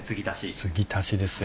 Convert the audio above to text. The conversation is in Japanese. つぎ足しですよ。